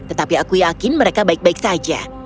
tetapi aku yakin mereka baik baik saja